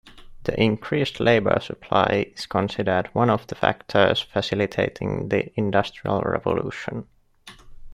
The increased labour supply is considered one of the factors facilitating the Industrial Revolution.